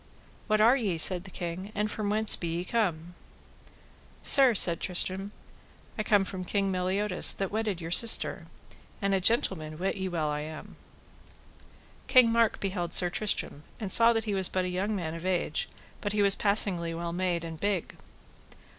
What are ye, said the king, and from whence be ye come? Sir, said Tristram, I come from King Meliodas that wedded your sister, and a gentleman wit ye well I am. King Mark beheld Sir Tristram and saw that he was but a young man of age, but he was passingly well made and big.